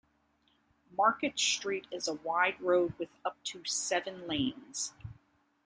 Market Street is a wide road with up to seven lanes.